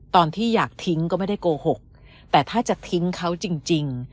ตอนที่อยากทิ้งก็ไม่ได้โกหกแต่ถ้าจะทิ้งเขาจริง